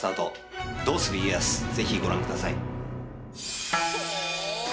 是非ご覧ください。